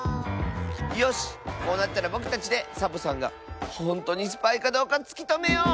よしこうなったらぼくたちでサボさんがほんとうにスパイかどうかつきとめよう！